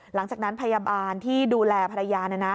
หลังจากนั้นพยาบาลที่ดูแลภรรยา